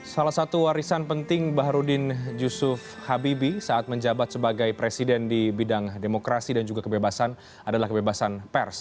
salah satu warisan penting baharudin yusuf habibie saat menjabat sebagai presiden di bidang demokrasi dan juga kebebasan adalah kebebasan pers